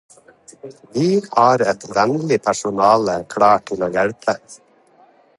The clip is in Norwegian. Vi har et vennlig personale klar til å hjelpe.